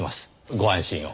ご安心を。